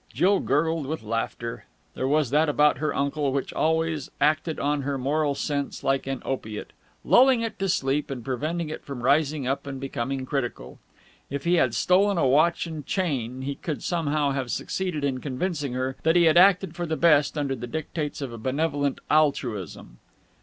Jill gurgled with laughter. There was that about her uncle which always acted on her moral sense like an opiate, lulling it to sleep and preventing it from rising up and becoming critical. If he had stolen a watch and chain, he would somehow have succeeded in convincing her that he had acted for the best under the dictates of a benevolent altruism.